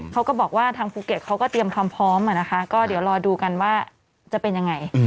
เขาก็บอกว่าทางภูเก็ตเขาก็เตรียมความพร้อมนะคะก็เดี๋ยวรอดูกันว่าจะเป็นยังไง